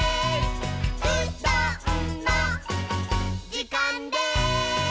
「うどんのじかんです！」